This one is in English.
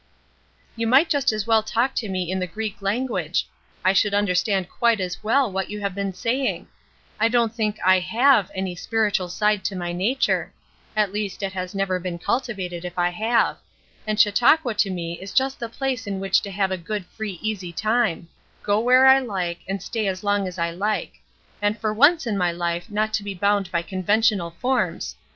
"You might just as well talk to me in the Greek language; I should understand quite as well what you have been saying; I don't think I have any spiritual side to my nature; at least it has never been cultivated if I have; and Chautauqua to me is just the place in which to have a good free easy time; go where I like and stay as long as I like; and for once in my life not be bound by conventional forms.